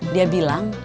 dia bilang kata bu guru